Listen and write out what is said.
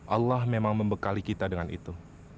allah memang membekali kita dengan itu